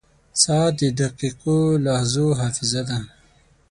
• ساعت د دقیقو لحظو حافظه ده.